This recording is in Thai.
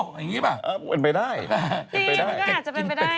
นั่นมันพวกคุณบ่อลอปลา